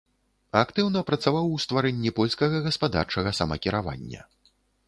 Актыўна працаваў у стварэнні польскага гаспадарчага самакіравання.